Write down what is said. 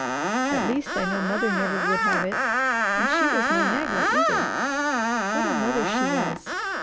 At least I know mother never would have it, and she was no nagger, either. What a mother she was!